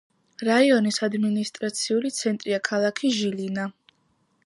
რაიონის ადმინისტრაციული ცენტრია ქალაქი ჟილინა.